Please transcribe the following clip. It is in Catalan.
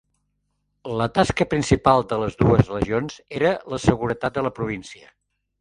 La tasca principal de les dues legions era la seguretat de la província.